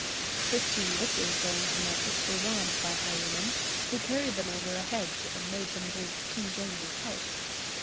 Fifteen butchers going to market were robbed by highwaymen, who carried them over a hedge and made them drink King James's health.